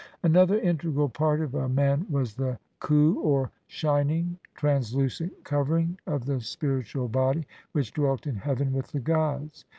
Another integral part of a man was the k/111, or "shining", translucent covering (?) of the spiritual body, which dwelt in heaven with the gods.